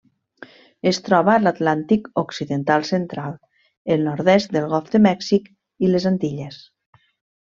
Es troba a l'Atlàntic occidental central: el nord-est del Golf de Mèxic i les Antilles.